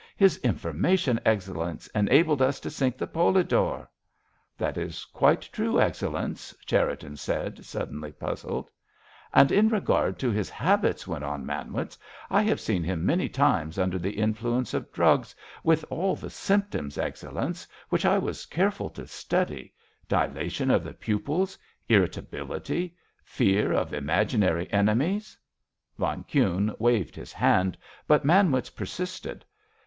His information, Excellenz, enabled us to sink the Polidor." "That is quite true, Excellenz," Cherriton said, suddenly puzzled. "And in regard to his habits," went on Manwitz, "I have seen him many times under the influence of drugs, with all the symptoms, Excellenz, which I was careful to study—dilation of the pupils, irritability, fear of imaginary enemies——" Von Kuhne waved his hand, but Manwitz persisted.